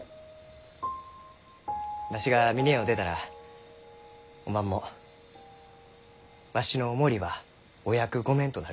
わしが峰屋を出たらおまんもわしのお守りはお役御免となる。